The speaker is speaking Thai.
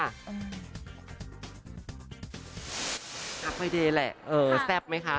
อัพไวเดยแหละแซ่บไหมคะ